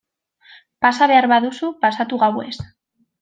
Pasa behar baduzu pasatu gauez...